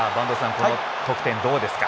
この得点どうですか？